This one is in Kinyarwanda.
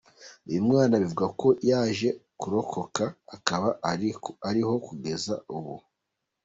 Uyu mwana bivugwa ko yaje kurokoka, akaba ariho kugeza ubu.